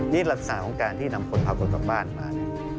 นี่ลักษณะของการที่นำคนพาคนกลับบ้านมา